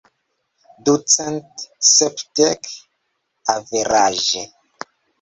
Ducent sepdek, averaĝe.